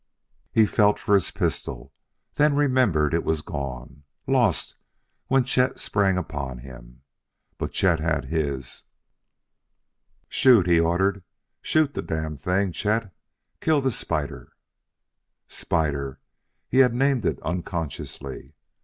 He felt for his pistol, then remembered it was gone lost when Chet sprang upon him. But Chet had his. "Shoot!" he ordered. "Shoot the damned thing, Chet! Kill the spider!" Spider! He had named it unconsciously.